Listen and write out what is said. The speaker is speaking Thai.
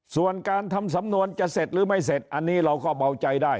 ส่วนการทำสำนวนจะเสร็จหรือไม่เสร็จอันนี้เราก็เบาใจได้